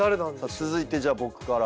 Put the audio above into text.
続いてじゃあ僕から。